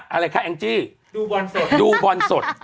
อะไรคะแองจี้ดูบอลสด